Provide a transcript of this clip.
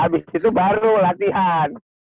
habis itu baru latihan